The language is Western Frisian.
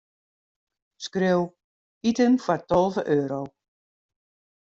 Skriuw: iten foar tolve euro.